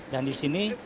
dan di sini